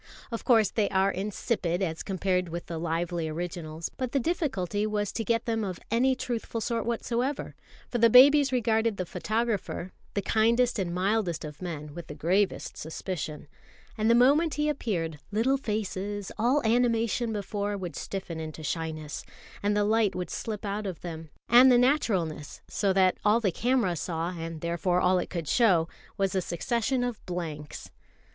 Of course, they are insipid as compared with the lively originals; but the difficulty was to get them of any truthful sort whatsoever, for the babies regarded the photographer the kindest and mildest of men with the gravest suspicion: and the moment he appeared, little faces, all animation before, would stiffen into shyness, and the light would slip out of them, and the naturalness, so that all the camera saw, and therefore all it could show, was a succession of blanks.